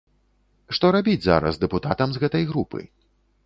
Што рабіць зараз дэпутатам з гэтай групы?